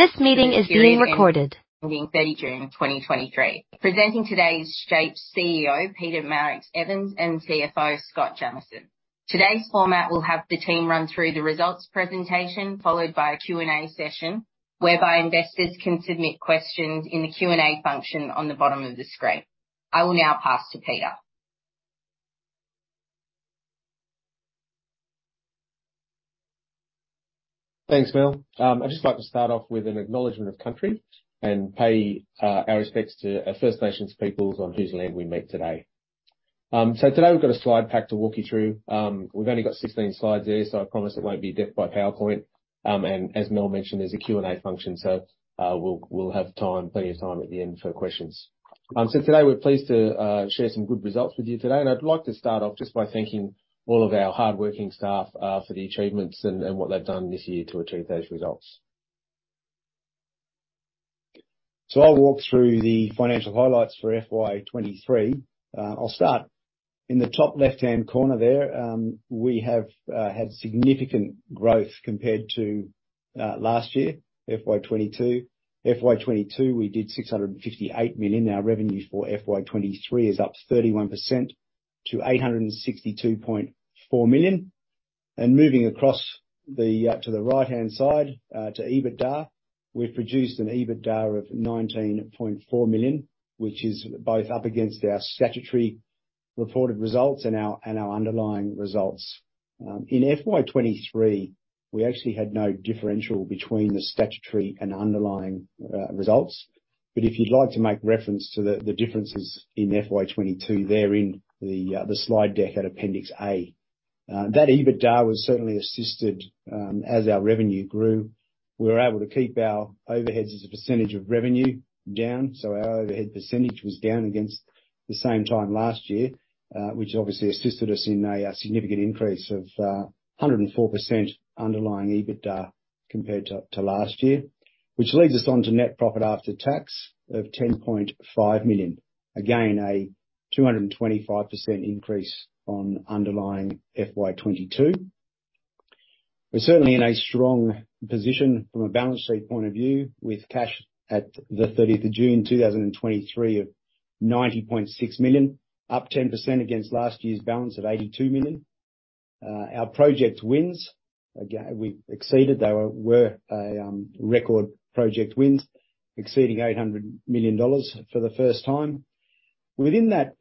... ending 30 June, 2023. Presenting today is SHAPE's CEO, Peter Marix-Evans, and CFO, Scott Jamieson. Today's format will have the team run through the results presentation, followed by a Q&A session, whereby investors can submit questions in the Q&A function on the bottom of the screen. I will now pass to Peter. Thanks, Mel. I'd just like to start off with an acknowledgment of country and pay our respects to our First Nations peoples on whose land we meet today. So today we've got a slide pack to walk you through. We've only got 16 slides there, so I promise it won't be death by PowerPoint. As Mel mentioned, there's a Q&A function, so we'll have time, plenty of time at the end for questions. So today we're pleased to share some good results with you today. I'd like to start off just by thanking all of our hardworking staff for the achievements and what they've done this year to achieve those results. So I'll walk through the financial highlights for FY 2023. I'll start. In the top left-hand corner there, we have had significant growth compared to last year, FY 2022. FY 2022, we did 658 million. Our revenue for FY 2023 is up 31% to 862.4 million. And moving across the, to the right-hand side, to EBITDA, we've produced an EBITDA of 19.4 million, which is both up against our statutory reported results and our, and our underlying results. In FY 2023, we actually had no differential between the statutory and underlying results. But if you'd like to make reference to the, the differences in FY 2022, they're in the, the slide deck at Appendix A. That EBITDA was certainly assisted, as our revenue grew. We were able to keep our overheads as a percentage of revenue down, so our overhead percentage was down against the same time last year, which obviously assisted us in a significant increase of 104% underlying EBITDA compared to last year. Which leads us on to net profit after tax of 10.5 million. Again, a 225% increase on underlying FY 2022. We're certainly in a strong position from a balance sheet point of view, with cash at the 30th of June, 2023 of 90.6 million, up 10% against last year's balance of 82 million. Our project wins, again, we've exceeded. They were a record project wins, exceeding 800 million dollars for the first time. Within that,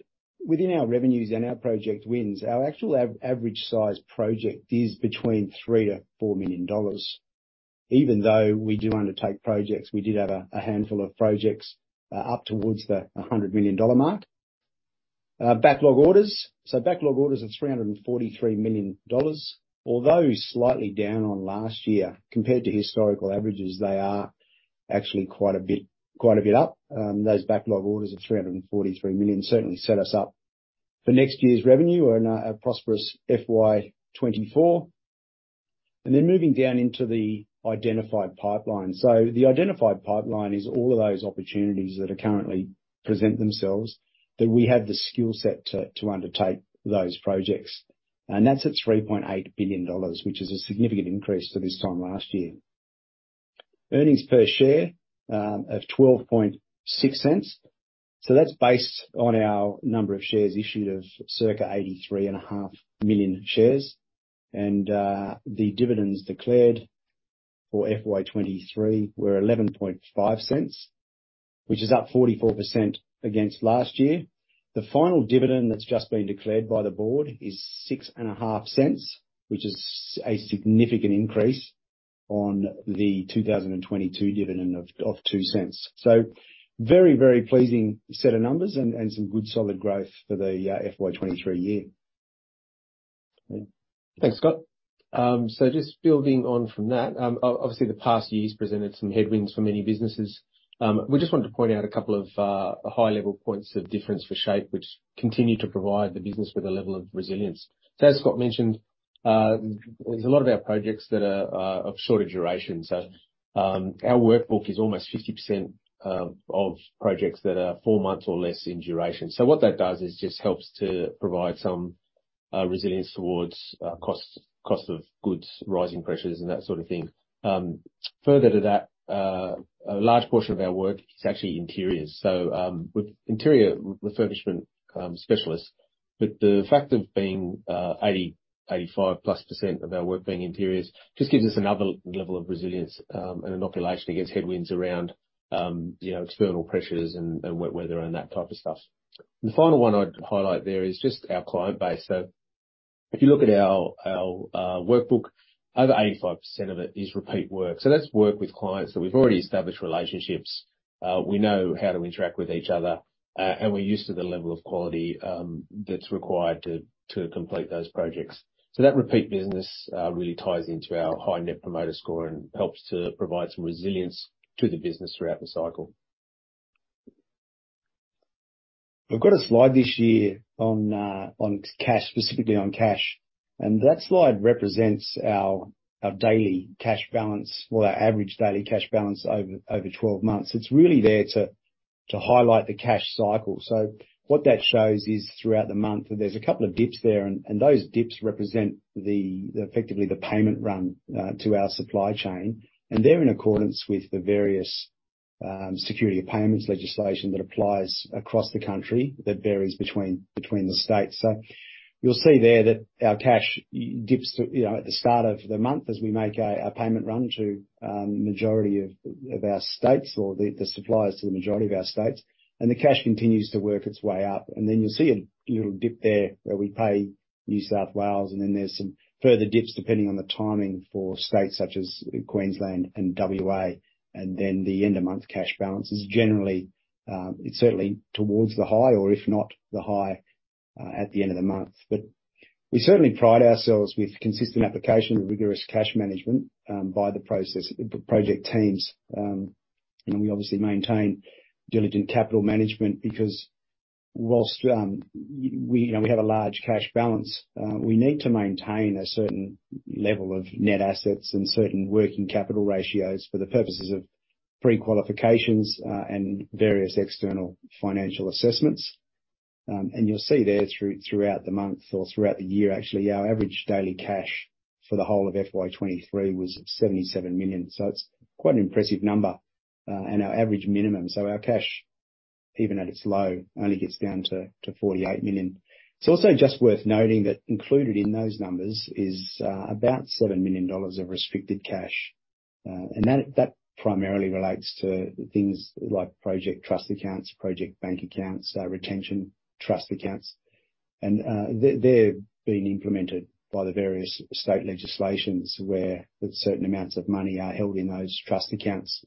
within our revenues and our project wins, our actual average size project is between 3 million and 4 million dollars. Even though we do undertake projects, we did have a handful of projects up towards a 100 million dollar mark. Backlog orders. So backlog orders of 343 million dollars. Although slightly down on last year, compared to historical averages, they are actually quite a bit up. Those backlog orders of 343 million certainly set us up for next year's revenue and a prosperous FY 2024. And then moving down into the identified pipeline. So the identified pipeline is all of those opportunities that are currently present themselves, that we have the skill set to undertake those projects. That's at 3.8 billion dollars, which is a significant increase to this time last year. Earnings per share of 0.126. So that's based on our number of shares issued of circa 83.5 million shares. And the dividends declared for FY 2023 were 0.115, which is up 44% against last year. The final dividend that's just been declared by the board is 0.065, which is a significant increase on the 2022 dividend of 0.02. So very pleasing set of numbers and some good solid growth for the FY 2023 year. Thanks, Scott. So just building on from that, obviously, the past year's presented some headwinds for many businesses. We just wanted to point out a couple of high-level points of difference for SHAPE, which continue to provide the business with a level of resilience. So as Scott mentioned, there's a lot of our projects that are of shorter duration. So, our workbook is almost 50% of projects that are four months or less in duration. So what that does is just helps to provide some resilience towards costs, costs of goods, rising pressures, and that sort of thing. Further to that, a large portion of our work is actually interiors. So, with interior refurbishment specialists, with the fact of being 85%+ of our work being interiors, just gives us another level of resilience, and an inoculation against headwinds around, you know, external pressures and wet weather and that type of stuff. The final one I'd highlight there is just our client base. So if you look at our workbook, over 85% of it is repeat work. So that's work with clients that we've already established relationships. We know how to interact with each other, and we're used to the level of quality that's required to complete those projects. So that repeat business really ties into our high Net Promoter Score, and helps to provide some resilience to the business throughout the cycle. We've got a slide this year on, on cash, specifically on cash, and that slide represents our, our daily cash balance, or our average daily cash balance over, 12 months. It's really there to highlight the cash cycle. So what that shows is throughout the month, there's a couple of dips there, and those dips represent effectively the payment run to our supply chain. And they're in accordance with the various security of payments legislation that applies across the country, that varies between the states. So you'll see there that our cash dips to, you know, at the start of the month as we make a payment run to majority of our states, or the suppliers to the majority of our states, and the cash continues to work its way up. And then you'll see a little dip there where we pay New South Wales, and then there's some further dips, depending on the timing for states such as Queensland and WA. And then the end of month cash balance is generally, it's certainly towards the high or if not the high, at the end of the month. But we certainly pride ourselves with consistent application of rigorous cash management, by the process, the project teams. And we obviously maintain diligent capital management because whilst, we, you know, we have a large cash balance, we need to maintain a certain level of net assets and certain working capital ratios for the purposes of pre-qualifications, and various external financial assessments. And you'll see there throughout the month or throughout the year, actually, our average daily cash for the whole of FY 2023 was 77 million. So it's quite an impressive number, and our average minimum. So our cash, even at its low, only gets down to forty-eight million. It's also just worth noting that included in those numbers is about 7 million dollars of restricted cash. And that primarily relates to things like project trust accounts, project bank accounts, retention trust accounts. And they're being implemented by the various state legislations, where certain amounts of money are held in those trust accounts,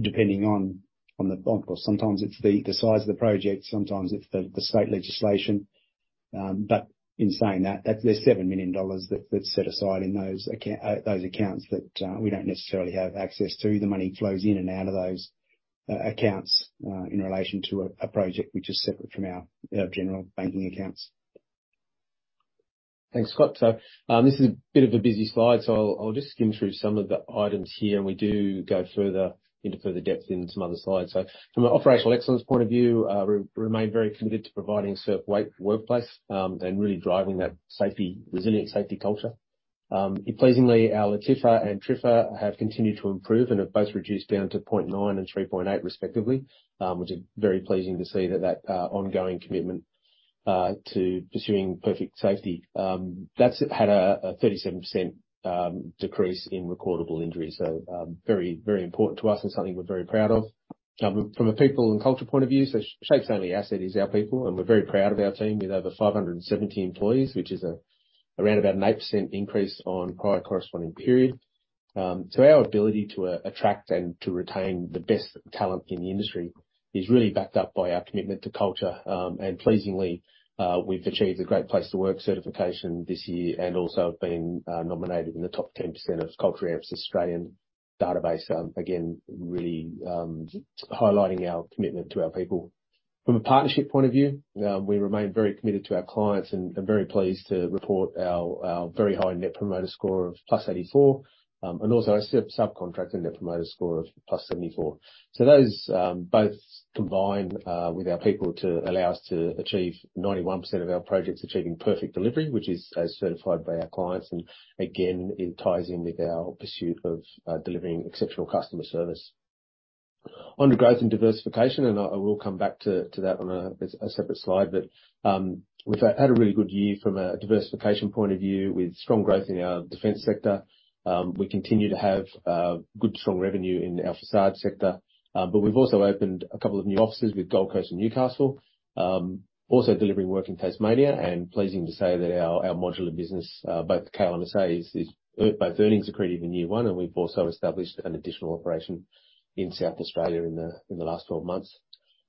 depending on, well, sometimes it's the size of the project, sometimes it's the state legislation. But in saying that, there's 7 million dollars that's set aside in those accounts that we don't necessarily have access to. The money flows in and out of those accounts in relation to a project which is separate from our general banking accounts. Thanks, Scott. So, this is a bit of a busy slide, so I'll just skim through some of the items here, and we do go further into further depth in some other slides. So from an operational excellence point of view, we remain very committed to providing safe workplace, and really driving that safety resilient safety culture. Pleasingly, our LTIFR and TRIFR have continued to improve and have both reduced down to 0.9 and 3.8, respectively. Which is very pleasing to see that ongoing commitment to pursuing perfect safety. That's had a 37% decrease in recordable injuries. So, very, very important to us and something we're very proud of. From a people and culture point of view, so SHAPE's only asset is our people, and we're very proud of our team with over 570 employees, which is around about an 8% increase on prior corresponding period. So our ability to attract and to retain the best talent in the industry is really backed up by our commitment to culture. And pleasingly, we've achieved a Great Place to Work certification this year and also been nominated in the top 10% of Culture Amp's Australian database. Again, really highlighting our commitment to our people. From a partnership point of view, we remain very committed to our clients and very pleased to report our very high Net Promoter Score of +84. And also our subcontractor Net Promoter Score of +74. So those both combine with our people to allow us to achieve 91% of our projects achieving Perfect Delivery, which is as certified by our clients. Again, it ties in with our pursuit of delivering exceptional customer service. On to growth and diversification, and I will come back to that on a separate slide. But we've had a really good year from a diversification point of view with strong growth in our Defence sector. We continue to have good strong revenue in our façade sector, but we've also opened a couple of new offices with Gold Coast and Newcastle. Also delivering work in Tasmania, and pleasing to say that our modular business, both KLMSA, is both earnings accretive in the new one, and we've also established an additional operation in South Australia in the last 12 months.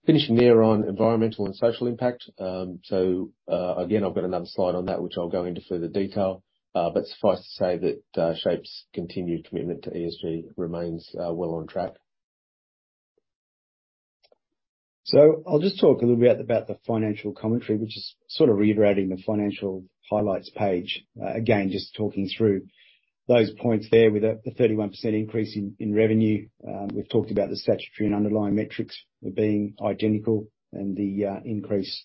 Finishing there on environmental and social impact. So, again, I've got another slide on that, which I'll go into further detail, but suffice to say that SHAPE's continued commitment to ESG remains well on track. So I'll just talk a little bit about the financial commentary, which is sort of reiterating the financial highlights page. Again, just talking through those points there with the 31% increase in revenue. We've talked about the statutory and underlying metrics being identical and the increase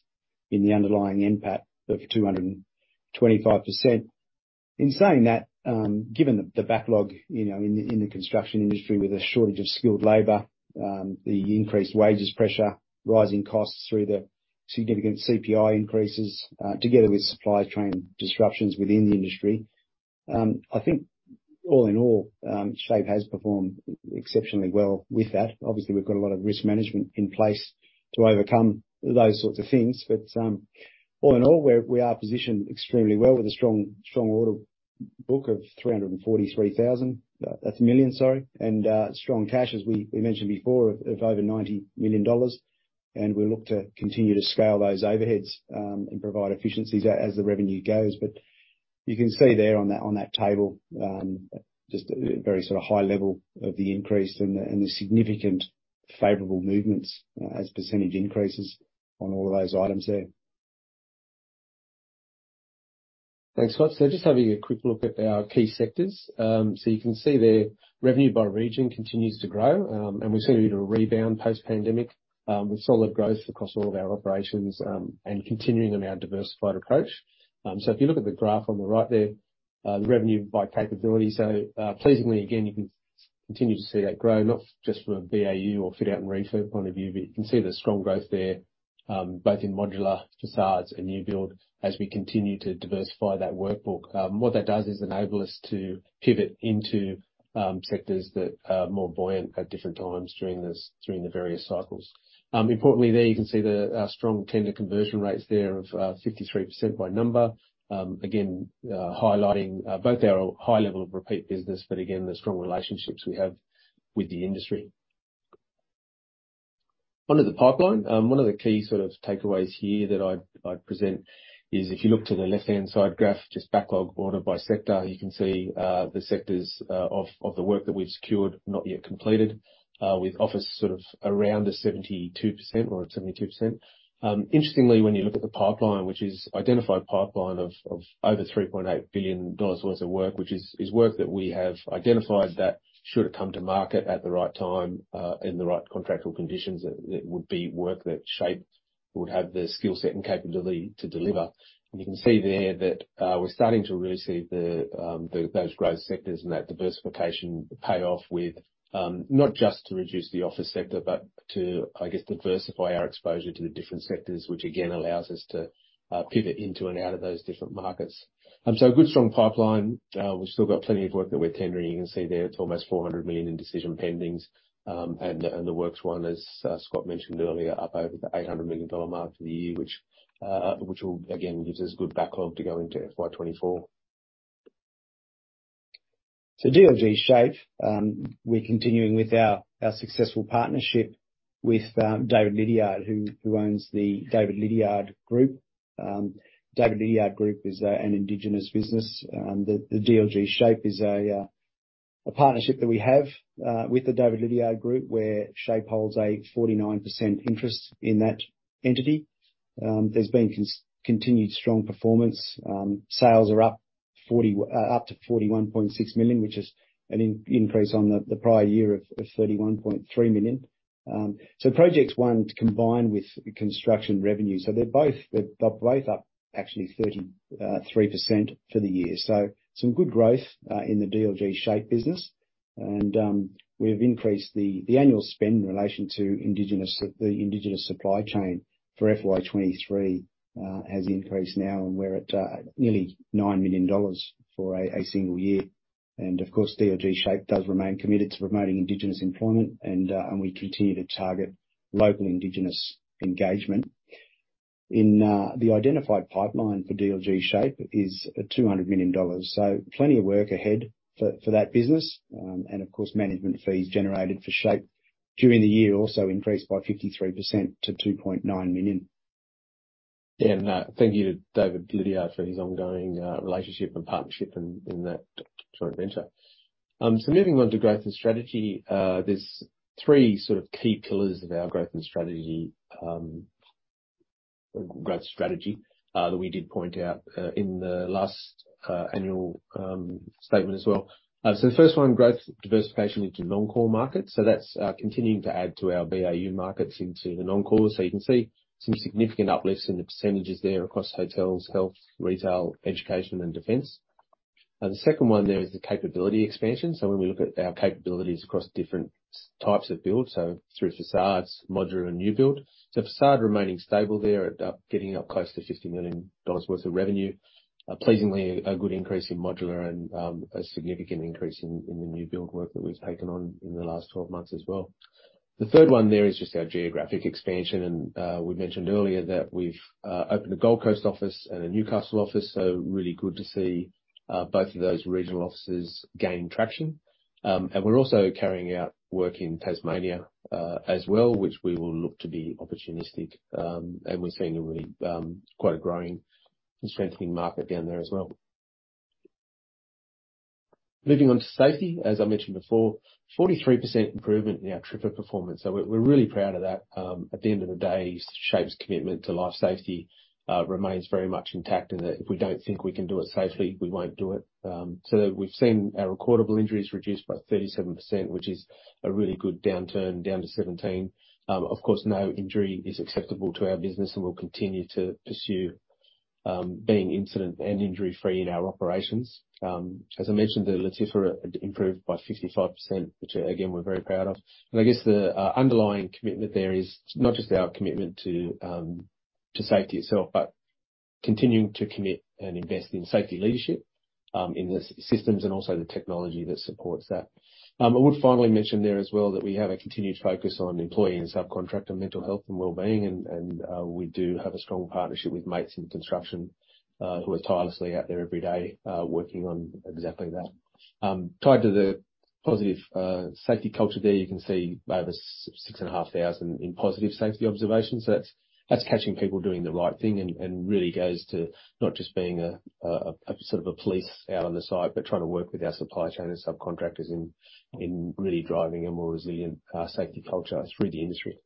in the underlying NPAT of 225%. In saying that, given the backlog, you know, in the construction industry, with a shortage of skilled labor, the increased wages pressure, rising costs through the significant CPI increases, together with supply chain disruptions within the industry, I think all in all, SHAPE has performed exceptionally well with that. Obviously, we've got a lot of risk management in place to overcome those sorts of things, but, all in all, we are positioned extremely well with a strong, strong order book of 343 million, sorry, and strong cash, as we mentioned before, of over 90 million dollars. We look to continue to scale those overheads and provide efficiencies as the revenue goes. You can see there on that table just a very sort of high level of the increase and the significant favorable movements as % increases on all of those items there. Thanks, Scott. So just having a quick look at our key sectors. So you can see there, revenue by region continues to grow, and we've seen a bit of a rebound post-pandemic, with solid growth across all of our operations, and continuing on our diversified approach. So if you look at the graph on the right there, the revenue by capability. So, pleasingly, again, you can continue to see that grow, not just from a BAU or fit out and refurb point of view, but you can see the strong growth there, both in modular facades and new build as we continue to diversify that workbook. What that does is enable us to pivot into sectors that are more buoyant at different times during this, during the various cycles. Importantly, there you can see the strong tender conversion rates there of 53% by number. Again, highlighting both our high level of repeat business, but again, the strong relationships we have with the industry. Onto the pipeline. One of the key sort of takeaways here that I'd present is if you look to the left-hand side graph, just backlog orders by sector, you can see the sectors of the work that we've secured, not yet completed, with office, sort of, around a 72% or at 72%. Interestingly, when you look at the pipeline, which is identified pipeline of over 3.8 billion dollars worth of work, which is work that we have identified that should it come to market at the right time, in the right contractual conditions, that would be work that SHAPE would have the skill set and capability to deliver. And you can see there that we're starting to really see the those growth sectors and that diversification pay off with not just to reduce the office sector, but to, I guess, diversify our exposure to the different sectors, which, again, allows us to pivot into and out of those different markets. So a good, strong pipeline. We've still got plenty of work that we're tendering. You can see there, it's almost 400 million in decision pendings. And the works won, as Scott mentioned earlier, up over the 800 million dollar mark for the year, which will, again, gives us good backlog to go into FY 2024. So DLG SHAPE, we're continuing with our successful partnership with David Liddiard, who owns the David Liddiard Group. David Liddiard Group is an Indigenous business, and the DLG SHAPE is a partnership that we have with the David Liddiard Group, where SHAPE holds a 49% interest in that entity. There's been continued strong performance. Sales are up to 41.6 million, which is an increase on the prior year of 31.3 million. So projects won, combined with construction revenue. So they're both up, actually 33% for the year. So some good growth in the DLG SHAPE business. We've increased the annual spend in relation to the Indigenous supply chain for FY 2023 has increased now, and we're at nearly 9 million dollars for a single year. And of course, DLG SHAPE does remain committed to promoting Indigenous employment, and we continue to target local Indigenous engagement. In the identified pipeline for DLG SHAPE is 200 million dollars. So plenty of work ahead for that business. And of course, management fees generated for SHAPE during the year also increased by 53% to 2.9 million. Yeah, no, thank you to David Liddiard for his ongoing relationship and partnership in that joint venture. So moving on to growth and strategy. There's three sort of key pillars of our growth and strategy, growth strategy, that we did point out in the last annual statement as well. So the first one, growth diversification into non-core markets. So that's continuing to add to our BAU markets into the non-core. So you can see some significant uplifts in the percentages there across hotels, health, retail, education, and Defence. The second one there is the capability expansion. So when we look at our capabilities across different types of builds, so through facades, modular, and new build. So facade remaining stable there at up, getting up close to AUD 50 million worth of revenue. Pleasingly, a good increase in modular and a significant increase in the new build work that we've taken on in the last 12 months as well. The third one there is just our geographic expansion, and we mentioned earlier that we've opened a Gold Coast office and a Newcastle office, so really good to see both of those regional offices gain traction. And we're also carrying out work in Tasmania as well, which we will look to be opportunistic. And we've seen a really quite a growing and strengthening market down there as well. Moving on to safety, as I mentioned before, 43% improvement in our TRIFR performance. So we're really proud of that. At the end of the day, SHAPE's commitment to life safety remains very much intact, and that if we don't think we can do it safely, we won't do it. So we've seen our recordable injuries reduced by 37%, which is a really good downturn, down to 17. Of course, no injury is acceptable to our business, and we'll continue to pursue being incident and injury-free in our operations. As I mentioned, the LTIFR improved by 55%, which again, we're very proud of. And I guess the underlying commitment there is not just our commitment to safety itself, but continuing to commit and invest in safety leadership in the systems and also the technology that supports that. I would finally mention there as well, that we have a continued focus on employee and subcontractor mental health and well-being, and we do have a strong partnership with Mates in Construction, who are tirelessly out there every day, working on exactly that. Tied to the positive safety culture there, you can see over 6,500 in positive safety observations. So that's catching people doing the right thing and really goes to not just being a sort of a police out on the site, but trying to work with our supply chain and subcontractors in really driving a more resilient safety culture through the industry.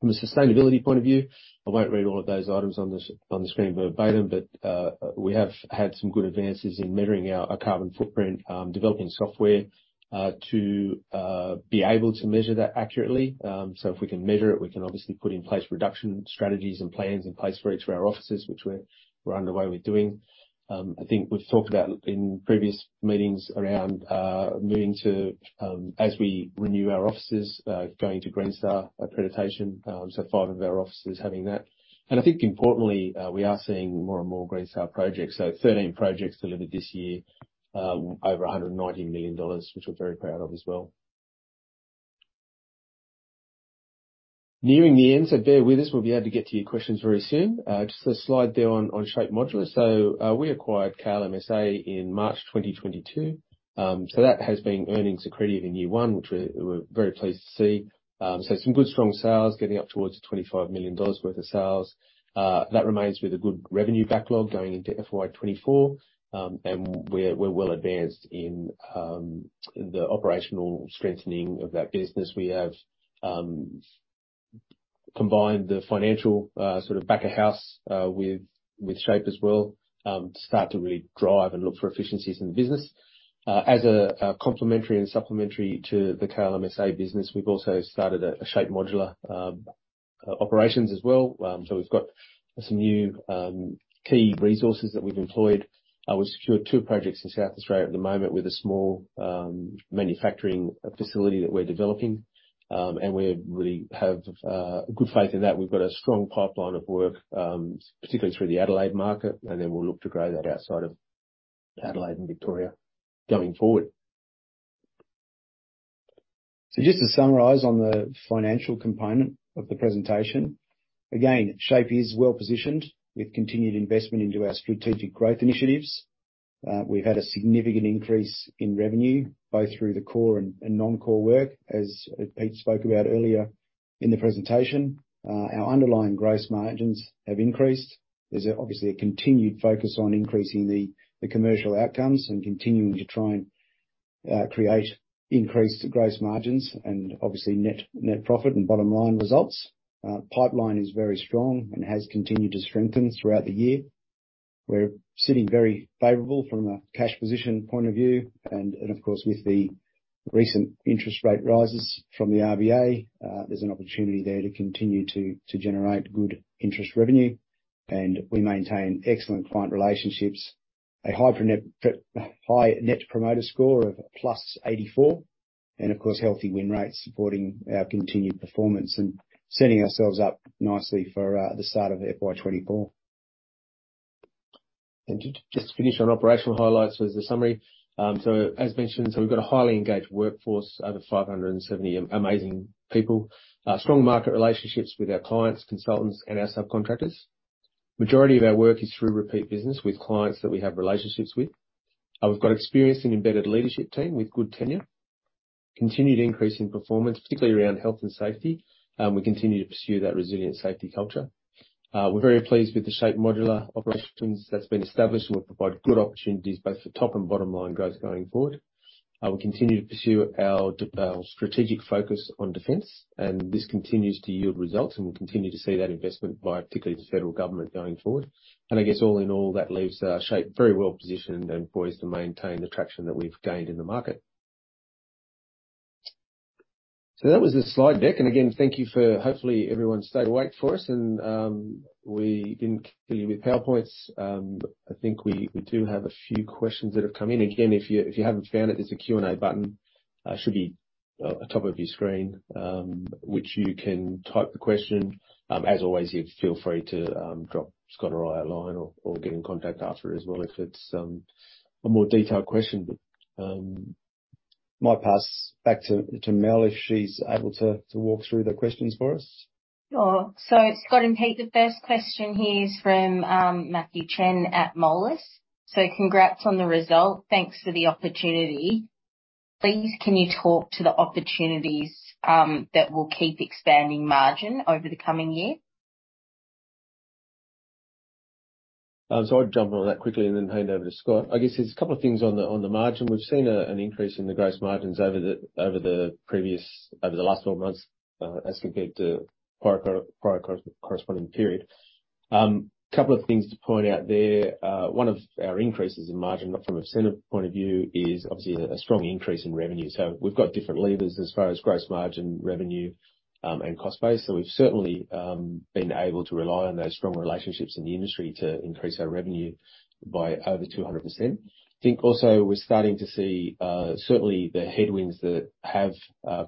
From a sustainability point of view, I won't read all of those items on the screen verbatim, but we have had some good advances in measuring our carbon footprint. Developing software to be able to measure that accurately. So if we can measure it, we can obviously put in place reduction strategies and plans in place for each of our offices, which we're underway with doing. I think we've talked about in previous meetings around moving to, as we renew our offices, going to Green Star accreditation. So five of our offices having that. And I think importantly, we are seeing more and more Green Star projects. So 13 projects delivered this year, over 190 million dollars, which we're very proud of as well. Nearing the end, so bear with us, we'll be able to get to your questions very soon. Just a slide there on SHAPE Modular. So we acquired KLMSA in March 2022. So that has been earnings accretive in year one, which we're very pleased to see. So some good, strong sales getting up towards 25 million dollars worth of sales. That remains with a good revenue backlog going into FY 2024. And we're well advanced in the operational strengthening of that business. We have combined the financial sort of back of house with SHAPE as well, to start to really drive and look for efficiencies in the business. As a complementary and supplementary to the KLMSA business, we've also started a SHAPE Modular operations as well. So we've got some new key resources that we've employed. We've secured two projects in South Australia at the moment with a small manufacturing facility that we're developing. And we really have good faith in that. We've got a strong pipeline of work, particularly through the Adelaide market, and then we'll look to grow that outside of Adelaide and Victoria going forward. So just to summarize on the financial component of the presentation. Again, SHAPE is well positioned with continued investment into our strategic growth initiatives. We've had a significant increase in revenue both through the core and non-core work, as Pete spoke about earlier in the presentation. Our underlying gross margins have increased. There's obviously a continued focus on increasing the commercial outcomes and continuing to try and create increased gross margins and obviously net profit and bottom line results. Pipeline is very strong and has continued to strengthen throughout the year. We're sitting very favorable from a cash position point of view, and of course, with the recent interest rate rises from the RBA, there's an opportunity there to continue to generate good interest revenue. And we maintain excellent client relationships, a high Net Promoter Score of +84, and of course, healthy win rates supporting our continued performance and setting ourselves up nicely for the start of FY 2024. And just to finish on operational highlights was the summary. So as mentioned, we've got a highly engaged workforce, over 570 amazing people. Strong market relationships with our clients, consultants and our subcontractors. Majority of our work is through repeat business with clients that we have relationships with. We've got experienced and embedded leadership team with good tenure. Continued increase in performance, particularly around health and safety, and we continue to pursue that resilient safety culture. We're very pleased with the SHAPE Modular operations that's been established, will provide good opportunities both for top and bottom line growth going forward. We continue to pursue our strategic focus on Defence, and this continues to yield results, and we'll continue to see that investment by particularly the federal government, going forward. And I guess all in all, that leaves, SHAPE very well positioned and poised to maintain the traction that we've gained in the market. So that was the slide deck, and again, thank you for... Hopefully, everyone stayed awake for us, and we didn't kill you with PowerPoints. I think we do have a few questions that have come in. Again, if you haven't found it, there's a Q&A button should be top of your screen, which you can type the question. As always, you can feel free to drop Scott or I a line or get in contact after as well if it's a more detailed question. But might pass back to Mel, if she's able to walk through the questions for us. Sure. So Scott and Pete, the first question here is from Matthew Chen at Moelis. So congrats on the result. Thanks for the opportunity. Please, can you talk to the opportunities that will keep expanding margin over the coming year? So I'll jump on that quickly and then hand over to Scott. I guess there's a couple of things on the margin. We've seen an increase in the gross margins over the last twelve months as compared to prior corresponding period. Couple of things to point out there. One of our increases in margin from a center point of view is obviously a strong increase in revenue. So we've got different levers as far as gross margin revenue and cost base. So we've certainly been able to rely on those strong relationships in the industry to increase our revenue by over 200%. I think also we're starting to see, certainly the headwinds that have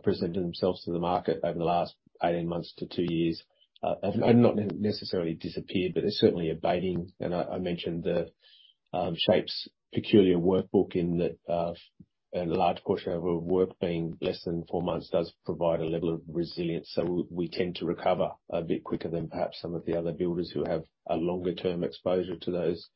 presented themselves to the market over the last 18 months to two years, have not necessarily disappeared, but they're certainly abating. And I, I mentioned the SHAPE's peculiar workbook in that, a large portion of our work being less than four months does provide a level of resilience. So we, we tend to recover a bit quicker than perhaps some of the other builders who have a longer term exposure to those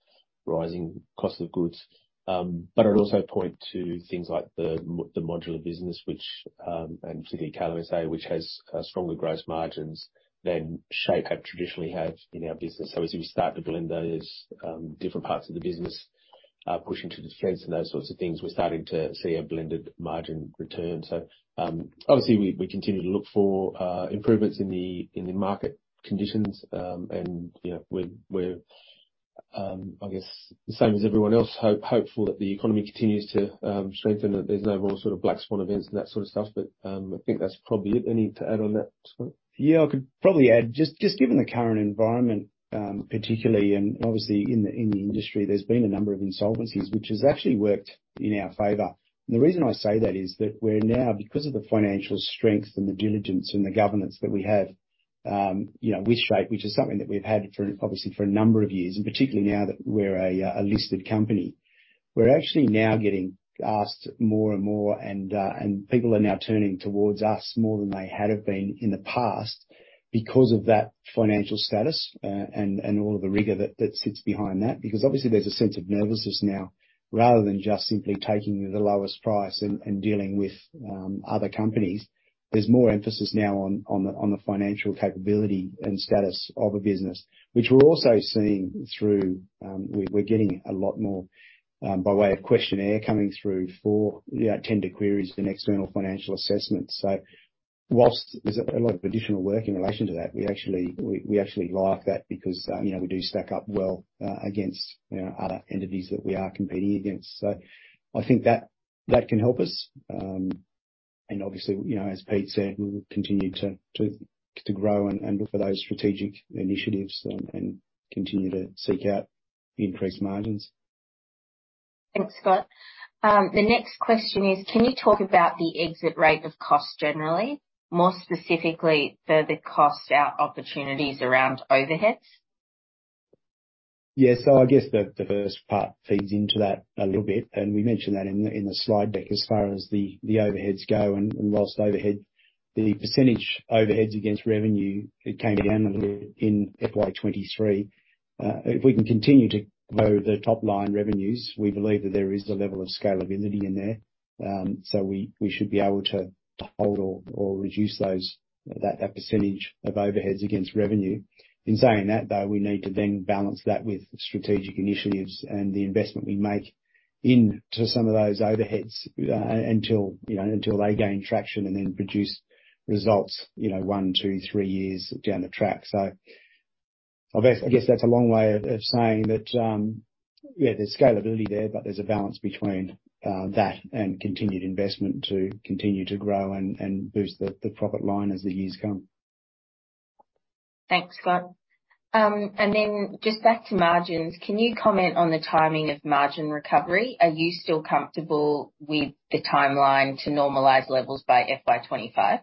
rising costs of goods. But I'd also point to things like the modular business, which and particularly KLMSA, which has stronger gross margins than SHAPE have traditionally had in our business. So as we start to blend those different parts of the business, pushing to the fence and those sorts of things, we're starting to see a blended margin return. So, obviously, we continue to look for improvements in the market conditions. And, you know, we're, I guess the same as everyone else, hopeful that the economy continues to strengthen, that there's no more sort of black swan events and that sort of stuff, but I think that's probably it. Anything to add on that, Scott? Yeah, I could probably add, just given the current environment, particularly, and obviously in the industry, there's been a number of insolvencies, which has actually worked in our favor. And the reason I say that is that we're now, because of the financial strength and the diligence and the governance that we have, you know, with Shape, which is something that we've had for, obviously for a number of years, and particularly now that we're a listed company. We're actually now getting asked more and more, and people are now turning towards us more than they had have been in the past, because of that financial status, and all of the rigor that sits behind that. Because obviously there's a sense of nervousness now, rather than just simply taking the lowest price and dealing with other companies. There's more emphasis now on the financial capability and status of a business, which we're also seeing through. We're getting a lot more by way of questionnaire coming through for, you know, tender queries and external financial assessments. So while there's a lot of additional work in relation to that, we actually like that because, you know, we do stack up well against, you know, other entities that we are competing against. So I think that can help us. And obviously, you know, as Pete said, we will continue to grow and look for those strategic initiatives and continue to seek out increased margins. Thanks, Scott. The next question is: Can you talk about the exit rate of costs generally, more specifically, the cost out opportunities around overheads? Yeah. So I guess the first part feeds into that a little bit, and we mentioned that in the slide deck. As far as the overheads go, and whilst overhead, the percentage overheads against revenue, it came down a little in FY 2023. If we can continue to grow the top line revenues, we believe that there is a level of scalability in there. So we should be able to hold or reduce those, that percentage of overheads against revenue. In saying that, though, we need to then balance that with strategic initiatives and the investment we make into some of those overheads, until you know, until they gain traction and then produce results, you know, one, two, three years down the track. So I guess, I guess that's a long way of, of saying that, yeah, there's scalability there, but there's a balance between, that and continued investment to continue to grow and, and boost the, the profit line as the years come. Thanks, Scott. Then just back to margins. Can you comment on the timing of margin recovery? Are you still comfortable with the timeline to normalize levels by FY 2025?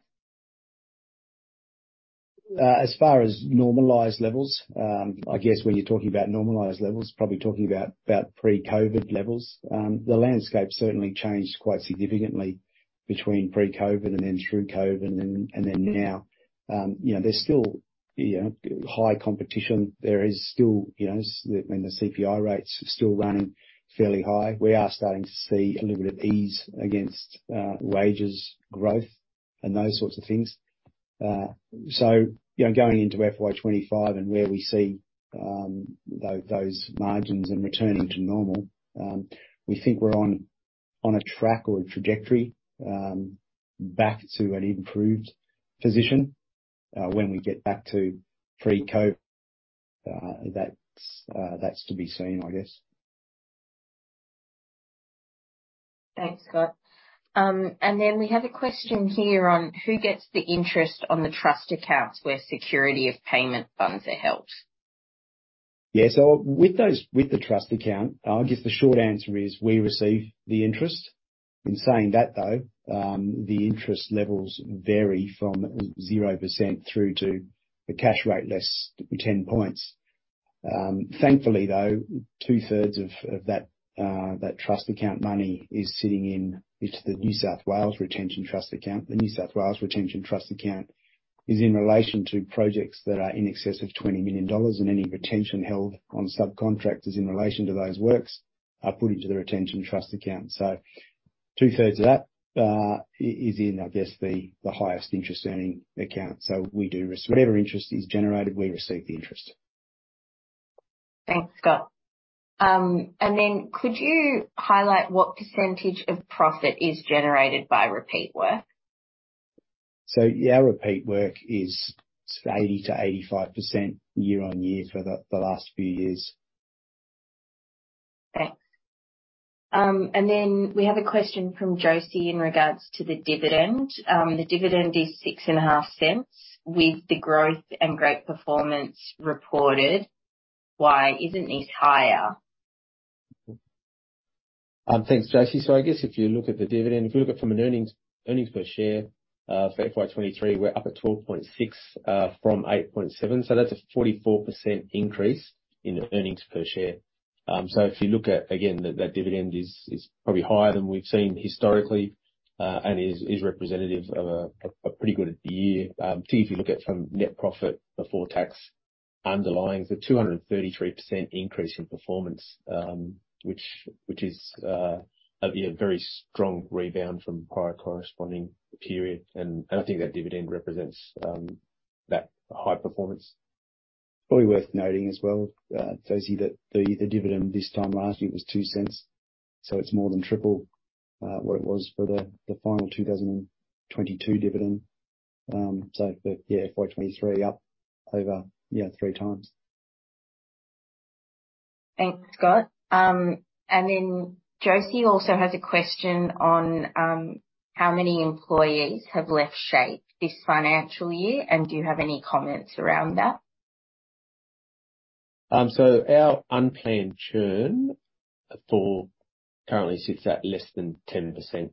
As far as normalized levels, I guess when you're talking about normalized levels, probably talking about about pre-COVID levels. The landscape certainly changed quite significantly between pre-COVID, and then through COVID, and then now. You know, there's still, you know, high competition. There is still, you know, I mean, the CPI rate's still running fairly high. We are starting to see a little bit of ease against wages growth and those sorts of things. So, you know, going into FY 2025 and where we see those margins and returning to normal, we think we're on a track or a trajectory back to an improved position when we get back to pre-COVID. That's to be seen, I guess. Thanks, Scott. And then we have a question here on: Who gets the interest on the trust accounts where security of payment bonds are held? Yeah. So with those, with the trust account, I guess the short answer is we receive the interest. In saying that, though, the interest levels vary from 0% through to the cash rate, less 10 points. Thankfully, though, two-thirds of that trust account money is sitting into the New South Wales Retention Trust account. The New South Wales Retention Trust account is in relation to projects that are in excess of 20 million dollars, and any retention held on subcontractors in relation to those works are put into the Retention Trust account. So two-thirds of that is in, I guess, the highest interest-earning account. So we do receive... Whatever interest is generated, we receive the interest. Thanks, Scott. And then could you highlight what percentage of profit is generated by repeat work? Yeah, our repeat work is 80%-85% year-over-year for the last few years. Thanks. Then we have a question from Josie in regards to the dividend. The dividend is 0.065. With the growth and great performance reported, why isn't it higher? Thanks, Josie. So I guess if you look at the dividend, if you look at from an earnings, earnings per share, for FY 2023, we're up at 12.6, from 8.7, so that's a 44% increase in the earnings per share. So if you look at, again, that, that dividend is, is probably higher than we've seen historically, and is, is representative of a, a pretty good year. Particularly if you look at from net profit before tax underlying the 233% increase in performance, which, which is, a, you know, very strong rebound from prior corresponding period. And, and I think that dividend represents, that high performance. Probably worth noting as well, Josie, that the dividend this time last year was 0.02, so it's more than triple what it was for the final 2022 dividend. So, but yeah, 0.0423 up over, yeah, 3 times. Thanks, Scott. And then Josie also has a question on how many employees have left SHAPE this financial year, and do you have any comments around that? Our unplanned churn rate currently sits at less than 10%.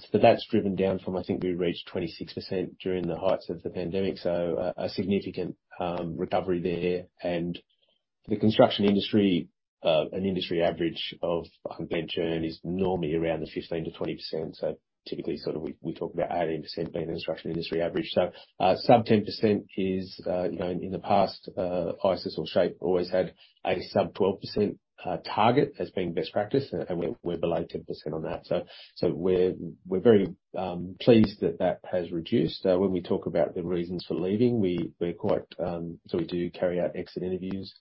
So that's driven down from I think we reached 26% during the heights of the pandemic, so a significant recovery there. The construction industry, an industry average of unplanned churn is normally around the 15%-20%. So typically, sort of we talk about 18% being the construction industry average. So sub-10% is, you know, in the past, i.e., SHAPE always had a sub-12% target as being best practice, and we're below 10% on that. So we're very pleased that that has reduced. When we talk about the reasons for leaving, we're quite. So we do carry out exit interviews.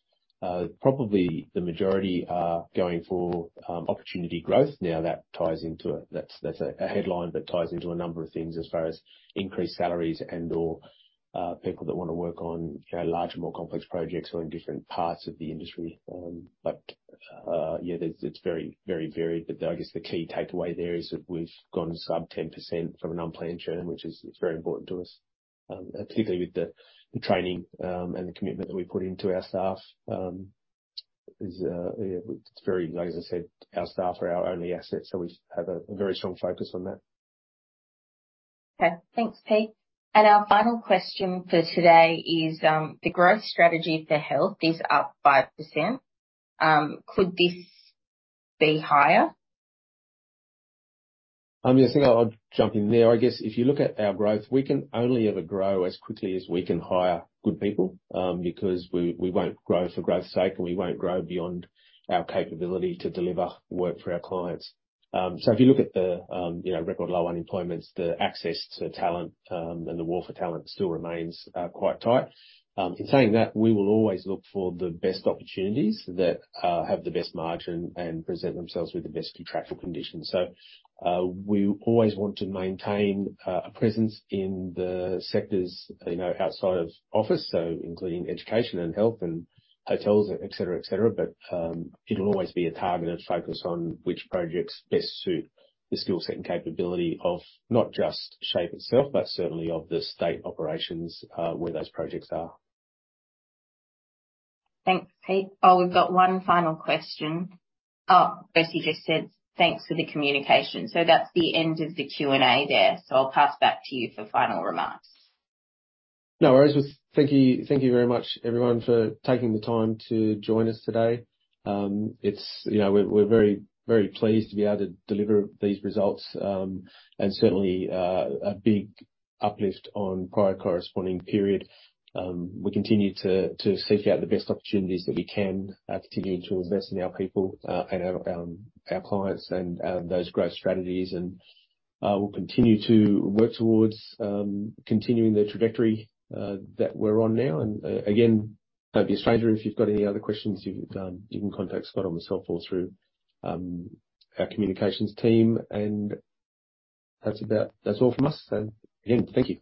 Probably the majority are going for opportunity growth. Now, that ties into a headline that ties into a number of things as far as increased salaries and/or people that want to work on, you know, larger, more complex projects or in different parts of the industry. But yeah, it's very, very varied, but I guess the key takeaway there is that we've gone sub 10% from an unplanned churn, which is very important to us, particularly with the training and the commitment that we put into our staff. Yeah, it's very, like, as I said, our staff are our only asset, so we have a very strong focus on that. Okay. Thanks, Pete. And our final question for today is, the growth strategy for health is up 5%. Could this be higher? I mean, I think I'll jump in there. I guess if you look at our growth, we can only ever grow as quickly as we can hire good people, because we, we won't grow for growth's sake, and we won't grow beyond our capability to deliver work for our clients. So if you look at the, you know, record low unemployment, the access to talent, and the war for talent still remains quite tight. In saying that, we will always look for the best opportunities that have the best margin and present themselves with the best contractual conditions. So, we always want to maintain a presence in the sectors, you know, outside of office, so including education and health and hotels, et cetera, et cetera. But, it'll always be a targeted focus on which projects best suit the skill set and capability of not just SHAPE itself, but certainly of the state operations, where those projects are. Thanks, Pete. Oh, we've got one final question. Oh, Josie just said, "Thanks for the communication." So that's the end of the Q&A there. So I'll pass back to you for final remarks. No worries. Thank you, thank you very much, everyone, for taking the time to join us today. You know, we're very pleased to be able to deliver these results, and certainly a big uplift on prior corresponding period. We continue to seek out the best opportunities that we can, continue to invest in our people, and our clients and those growth strategies. We'll continue to work towards continuing the trajectory that we're on now. Again, don't be a stranger if you've got any other questions, you can contact Scott on the cell or through our communications team, and that's about... That's all from us, and again, thank you.